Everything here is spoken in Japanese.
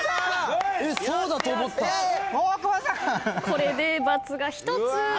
これで×が１つ。